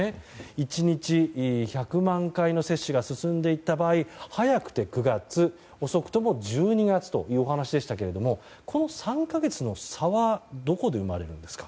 １日１００万回の接種が進んでいった場合早くて９月遅くとも１２月というお話でしたがこの３か月の差はどこで生まれるんですか？